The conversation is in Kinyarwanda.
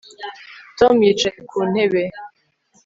tom yicaye ku ntebe